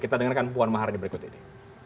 kita dengarkan puan maharani berikut ini